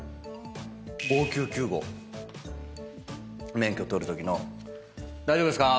免許取るときの「大丈夫ですか？